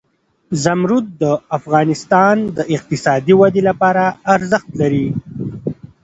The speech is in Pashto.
زمرد د افغانستان د اقتصادي ودې لپاره ارزښت لري.